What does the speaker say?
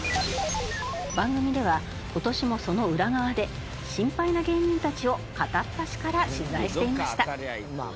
番組では今年もその裏側でシンパイな芸人たちを片っ端から取材していました。